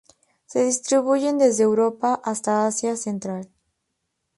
Se distribuyen desde Europa hasta Asia central.